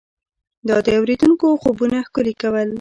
دا د اورېدونکو خوبونه ښکلي کول.